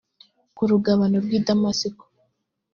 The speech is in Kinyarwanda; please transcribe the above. ku rugabano rw’ i damasiko